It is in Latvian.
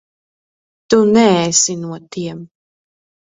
Tu neesi no tiem.